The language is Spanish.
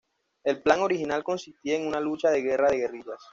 El plan original consistía en una lucha de guerra de guerrillas.